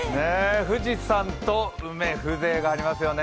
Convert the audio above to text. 富士山と梅、風情がありますよね。